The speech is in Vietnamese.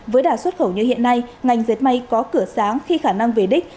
với đả xuất khẩu như hiện nay ngành dệt may có cửa sáng khi khả năng về đích